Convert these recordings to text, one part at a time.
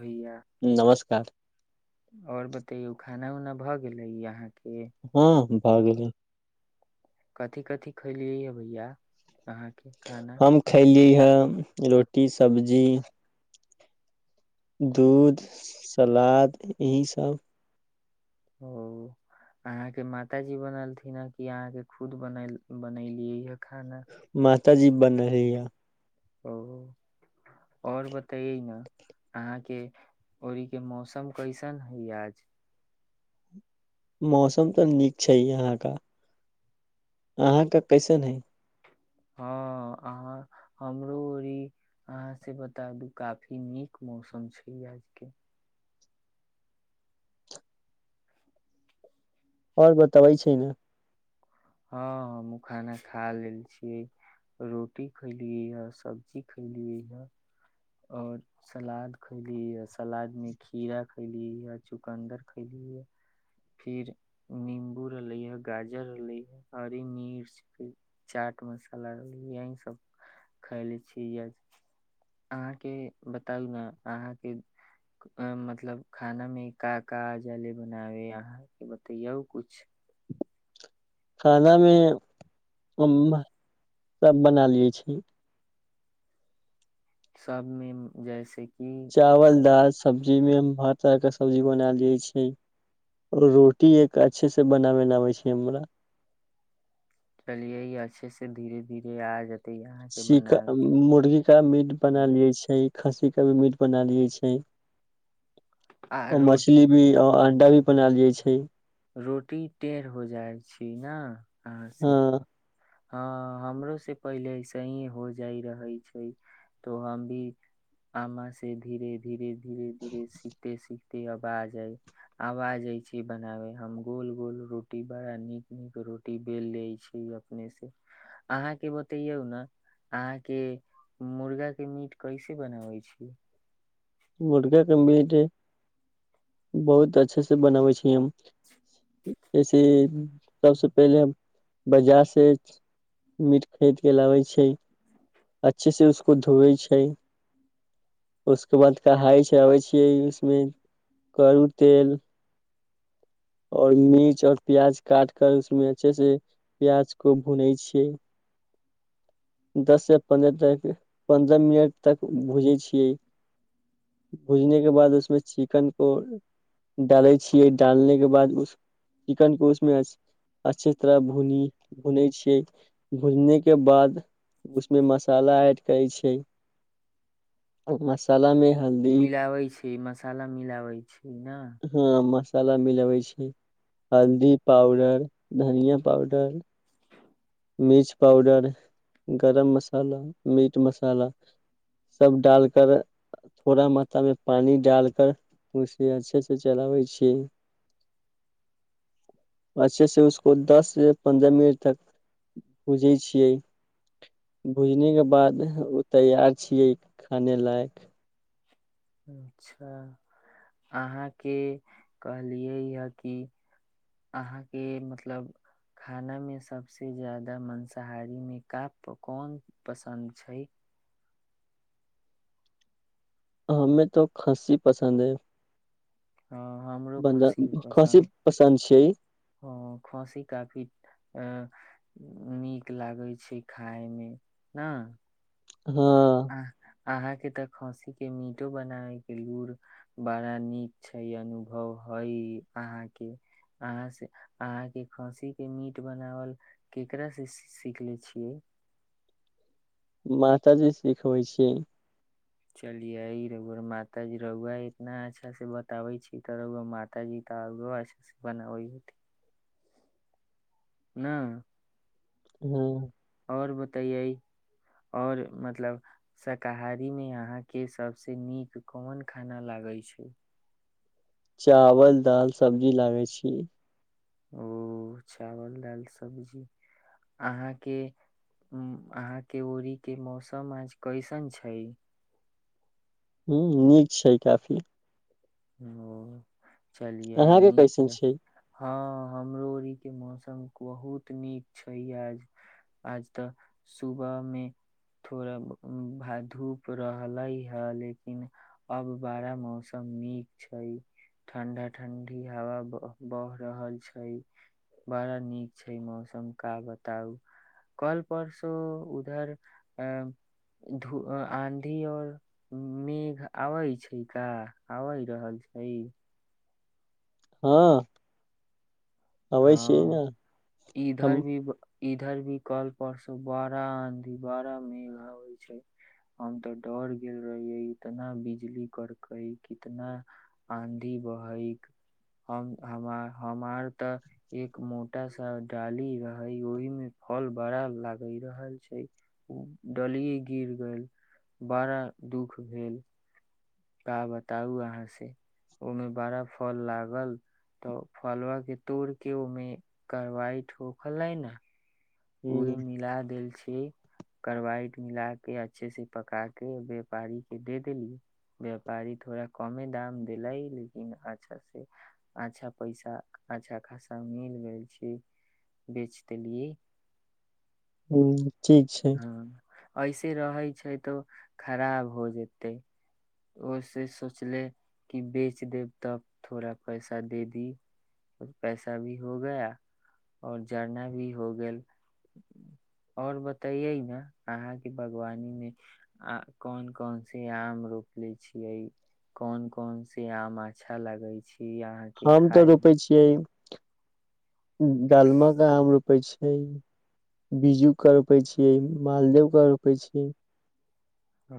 भैया नमस्कार आओर बता ते उ खाना उना भऽ गेलै यहाँके हँ भए गेलै कथी कथि खैलियै है भैया अहाँके खाना हम खैली इ रोटी सब्जी दूध सलाद यहीसभ ओ अहाँके माताजी बनलथिन ह कि अहाँके खुद बन बनेलियै हे खाना तजीब बन रहैय ओ आओर बतइे ने अहाँके ओरीके मौसम कैसन हइ आज मौसम तऽ नीक छै यहाँ का अहाँके कैसन है हँ अहाँ हमरो ओ अहाँ से बता दू काफी नीक मौसम छै ई आजके आओर बतबै छै ने हँ हमहूँ खाना खा लेल छियै रोटी खयलियैए सब्जी खयलियै यए आओर सलाद खयलीैए सलादमे खीरा खयलीै यए चुकन्दर खयलीए फिर निम्बू रहलैए गाजर रहलैए हरी मिर्च फेर चाट मसाला रहलै यहीसभ खयले छी यए अहाँके बताउ ने अहाँके मतलब खाना मे काका जाले बनावे अहाँके बतैयौ कुछु खानामे सभ बना लै छी। सबमे जैसे कि चावल दाल सब्जी सब्जी मे हम हर तरह के सब्जी बना लै छी रोटी एक अच्छे से बनाबै ल आबै छै हमरा चलू, नीक सँ धीरे-धीरे आबि जाएत। चन मुर्गी का मीट बना लिये छै खस्सीे भी मीट बना लियै छै। आ रोटी मछली भी आ अंडा भी बनायल जाइ छै। रोटी टेढ़ हो जाइ छी। ने अहाँसँ हँ हँ हमरो से पहिले ऐसे ही हो जाय रहे छै। तो हम भी आम से धीरे धीरे धीरे धीरे सीखते सीख आवाज आबि रहल अछि, हम गोल-गोल रोटी बनबैत छी, बड़ नीक-नीक रोटी बेलि लैत छी। अपने सँ अहाँकेँ बताउ ने, अहाँ मुर्गाक मीट केना बनबैत छी? बरका कम्पट बहुत नीक सँ बनबैत छी हम। ऐसे सबसे पहिले बजार सँ मीट कीनि कऽ अनैत छी। नीक सँ ओकरा धोइ छी, तकर बाद ओकरा मे तेल लगबैत छी। आओर मिर्च आ प्याज काटि कऽ ओहि मे नीक सँ प्याज भुजैत छी। दस-पन्द्रह मिनट धरि भुजलाक बाद ओहि मे चिकन डालैत छी। तखन चिकनकेँ ओहि मे नीक सँ भुजैत छी। भुजलाक बाद ओहि मे मसाला देइत छी। मसाला मे मिलाबै छै। मसाला मिलाबै छै हँ मस मसाला मिलाबै छै हल्दी पाउडर धनिया पाउडर मिर्च पाउडर, गरम मसाला, मीट मसाला सभ डालि कऽ थोड़ा मात्रा मे पानी देइत छी। ओकरा नीक सँ चलबैत छी आ दस-पन्द्रह मिनट धरि नीक सँ भुजैत छी। भुजैत छी, भुजलाक बाद ओ खाए लेल तैयार भ' जाइत अछि। अच्छा, अहाँकेँ कहलियै जे अहाँकेँ मतलब खानामे सभ सँ बेसी मांसाहारी मे कोन पकवान पसन्द अछि? हममें तो खाँसी पसन्द है हँ, हमरा सेहो बन्धा खाँसी खस्सी पसन्द पसन्द छियै अछि, खाँसी काफी नीक लगैत अछि। नीक लागै छै खाायमे ने हँ अहाँकेँ तऽ खस्सीक मीट बनाबय के लूरि बड़ नीक छै, अनुभव अछि। अहाँ खस्सीक मीट बनाबय केकरा सँ सिखलहुँ? माताजी सिखबै छीियै चलिये रघुआर माताजी रघुआ इतना अच्छा से बताबै छी तऽ रुआ माताजी तऽ आो अच्छा से बनाबै ह ना हुँ आओर बतैयै आओर मतलब शाकाहारीमे अहाँके सभसँ नीक कोन खाना लागै छै चावल दाल सब्जी लागै छी ओ चाउर, दालि, सब्जी अहाँक ओहि ठामक मौसम आइ केहन अछि? ह नीक छै काफी ह चलिए अहाँके नीक कैसन है छै हँ हमरो के मौसम बहुत नीक अछि। आइ सुबह मे थोड़ धूप छल, मुदा आब मौसम बड़ नीक अछि। ठंढा-ठंढा हवा बहि रहल छै, बड़ नीक मौसम छै, की कहू। काल-परसो ओहि दिस आँधी आ मेघ आबैत छै कि नहि? हाल छै हँ अबै छियै ने हँ हम इधर भी इधर भी कल पर से बड़ा आंधी बड़ा मेघा होइ छै हम तऽ डर गेल रहियै इतना बिजली करकै कितना आंधी बहै हम हमर तऽ एक मोटा डाली रहे ओहि मे फल बड़ा लागे रहल छै डलिये गिर गेल बड़ा दुख भेल का बताउ अहाँ से ओहिमे बड़ा फल लागल तऽ फलआ के तोड़ के ओहिमे कारवाइ ठोकलै ने परे ह मिला देलक करवाइट मिला के अच्छे से पका के व्यापारी के दे देली व्यापारी थोड़ा कमे दाम देले लेकिन अच्छा से अच्छा पैसा अच्छा खासा मिल गेल छै बेच देलियै हुँ हँ ऐसे रहै छै तो खराब हो जेते ओ से सोचले कि बेच देब तब थोड़ा पैसा दे दी पैसा भी हो गया और जड़ना भी हो गेल आओर ब ते ये ने अहां के बागवानी मे कोन कोन से आम रोपले छीिये कोन कोन से आम अच्छा लगे छै हम तऽ रोपै छियै डालमाके आम रोपै छियै बिज्जूके रोपै छियै मालदेहके रोपै छियै ओ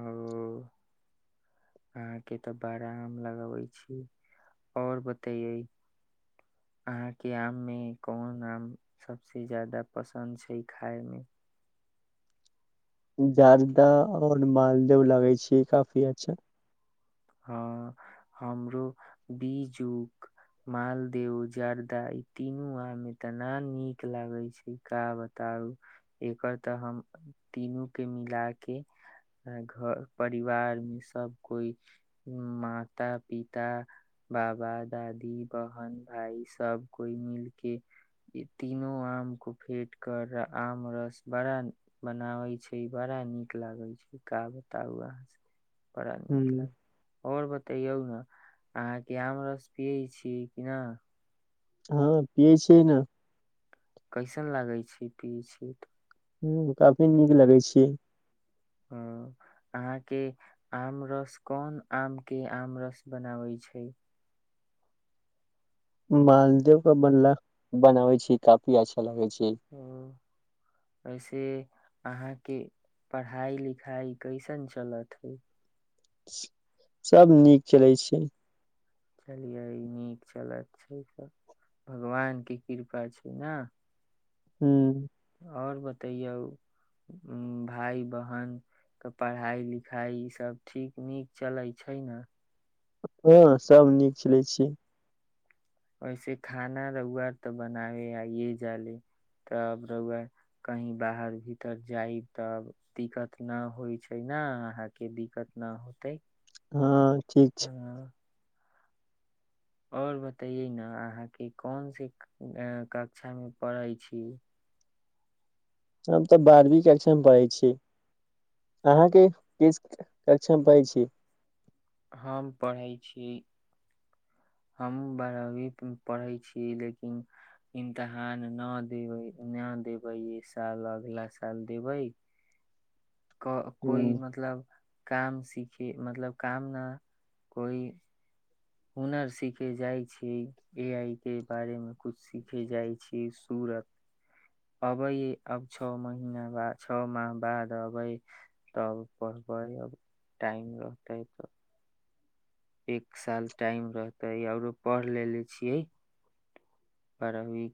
अहाँके तऽ बड़ा आम लगाबै छी आओर बतैयै अहाँके आम मे कोन आम सबस जादा पसन्द छै खाायमे जदा आओर मालदेव लगै छै काफी अच्छा हँ हमरो बीजुक मालदेव जर्दा ई तीनू आम मे तऽना नीक लागै छै का बताउ एकर तऽ हम तीनू के मिला के घर परिवार मे सब कोइ माता पिता बाबा दादी बहन भााय सब कोइ मिल के तीनो आम को फेट कर आम रस बड़ा बनाबै छै बड़ा नीक लागे छै का बताउ अहाँ बड़ा ह नीक लागय आओर बतैयौ ने अहाँके आम रस पियै छी कि ना हँ पियै छिय न कैसन लागै छै पियै छियै तऽ हुँ काफी नीक लगै छिय हँ अहाँके आम रस कोन आम के आम रस बनाबै छै मालदह बनला बनावे छी काफी अच्छा लगे छै एहिऐ से अहाँके पढ़ाइ लिखाइ कैसन चलत हइ सभ नीक चलै छै चलियै ई नीक चलत छै सभ भगवानके कृपा छै ने हू आओर बतैयौ भाइ बहिनके पढ़ाइ लिखाइ ई सब ठीक नीक चलै छै ने हँ सभ नीक चलै छियै वैसे खाना रहुुआर तऽ बनाबे आइे जाले तब रुआर कही बाहर भीतर जाय तब दिक्कत न होइ छै ने अहााँके दिक्कत न होते हँ ठीक छै आओर बतैैय ने अहाँके कोनस कक्षामे पढ़ै छी हम तऽ बारहवीं कक्षामे पढ़ै छी अहाँके किस कक्षामे पढ़ै छी हम पढ़ै छी हम बारहवी पढ़ै छीिय लेकिन इमतहान नहि देबै नहि देबै ई साल अगलाा साल देबै क कोइ हूँ, मतलब काम सीखे मतलब काम न कोइ हुनर सीखे जाइ छी ए आइ के बारेमे किछ सीखे जाइ छी सूरत अबै अब छओ महीना बाद छओ माह बाद अबै तब पढ़बै अब टाइम रहतै तऽ एक साल टाइम रहतै आओरो पढ़ लेे छियै बारहवीं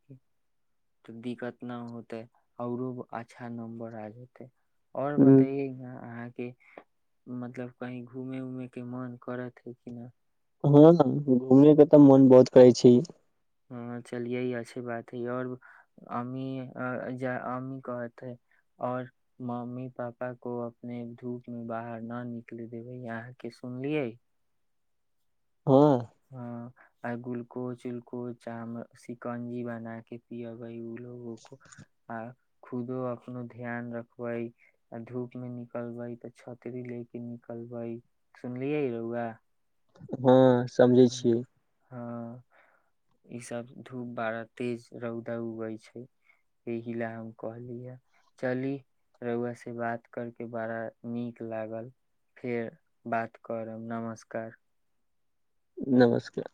तऽ दिक्कत नहि होतै आऔरो अच्छा नम्बर आ जेतै आओर हूँ, बताइए न अहाँ के मतलब कही घूमे उमे के मन करत हे किना हँ घूमय के तऽ मोन बहुत करै छै ह चलिये ई अच्छी बात है और अम्मी अम्मी कहते और मम्मी पापा को अपने धूप मे बाहर न निकल देबै यहाँ के सुनलियै हँ ह आ ग्लुकोज उलकोज चाहे सिकंजी बना के पियबे लो को आ खुदो अपनो ध्यान रखबै आ धूप मे निकलबै तऽ छतरी ले के निकलबै सुनलियै रौआ हँ समझै छियै हँ ई सब धूप बड़ा तेज रौदा उगै छै एहि ले हम कहली हे चली रौआ से बात करके बड़ा नीक लागल फेर बात करब नमस्कार नमस्कार